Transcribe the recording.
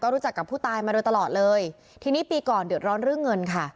รู้จักกับผู้ตายมาโดยตลอดเลยทีนี้ปีก่อนเดือดร้อนเรื่องเงินค่ะ